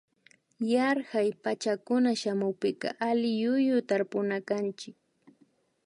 Yarkak pachacunan shamunpika alliyuyu tarpunakanchik